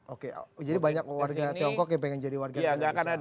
oke jadi banyak warga tiongkok yang pengen jadi warga negara indonesia